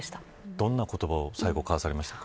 どんな言葉を最後に交わされましたか。